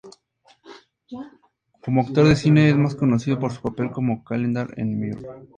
Como actor de cine es más conocido por su papel como Calendar en "Mr.